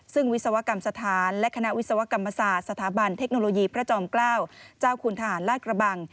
ซึ่งวิศวกรรมสถานและคณะวิศวกรรมศาสตร์สถาบันเทคโนโลยีพระจอมเกล้าเจ้าคุณทหารลาดกระบัง